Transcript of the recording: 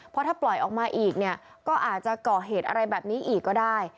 เพราะถ้าปล่อยออกมาอีกเนี่ยก็อาจจะก่อเหตุอะไรแบบนี้อีกก็ได้